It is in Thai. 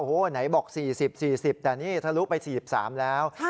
โอ้โหไหนบอก๔๐๔๐แต่นี่ทะลุไป๔๓แล้ว